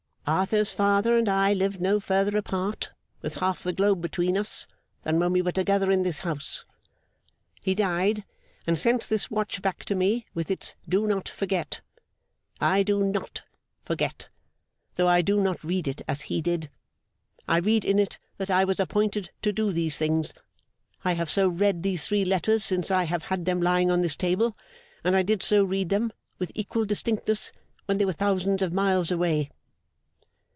Arthur's father and I lived no further apart, with half the globe between us, than when we were together in this house. He died, and sent this watch back to me, with its Do not forget. I do NOT forget, though I do not read it as he did. I read in it, that I was appointed to do these things. I have so read these three letters since I have had them lying on this table, and I did so read them, with equal distinctness, when they were thousands of miles away.